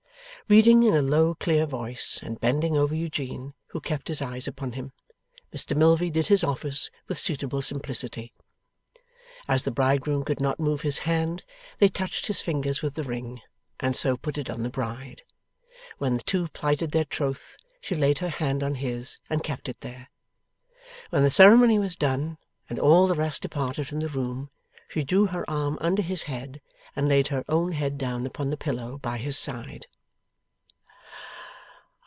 Reading in a low clear voice, and bending over Eugene, who kept his eyes upon him, Mr Milvey did his office with suitable simplicity. As the bridegroom could not move his hand, they touched his fingers with the ring, and so put it on the bride. When the two plighted their troth, she laid her hand on his and kept it there. When the ceremony was done, and all the rest departed from the room, she drew her arm under his head, and laid her own head down upon the pillow by his side.